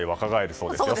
そうですね。